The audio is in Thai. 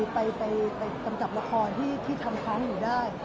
ไปกำจัดละครที่ทำครั้งหนูได้